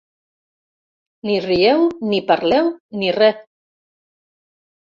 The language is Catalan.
Ni rieu ni parleu ni re.